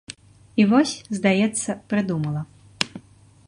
І вось, здаецца, прыдумала.